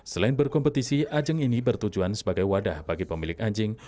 selain berkompetisi ajang ini bertujuan sebagai wadah bagi pemilik anjing